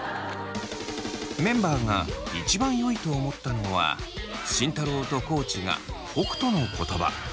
メンバーが一番よいと思ったのは慎太郎と地が北斗の言葉。